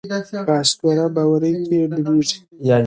په اسطوره باورۍ کې ډوبېږي.